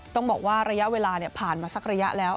ต้องบอกว่าระยะเวลาผ่านมาสักระยะแล้ว